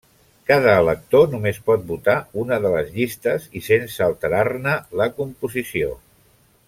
Cada elector només pot votar una de les llistes i sense alterar-ne la composició.